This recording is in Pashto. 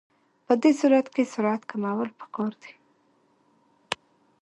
په دې صورت کې سرعت کمول پکار دي